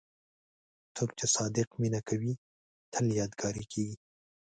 څوک چې صادق مینه کوي، تل یادګاري کېږي.